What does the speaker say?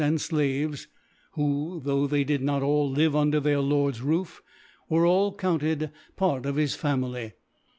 an4 ^ves^^ ' who, though they did not all live under the^r * LfOrd's Roof, were all counted Part of his I^a^ * mily.